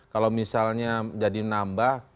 kalau misalnya jadi menambah